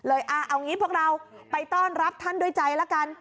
เอางี้พวกเราไปต้อนรับท่านด้วยใจละกัน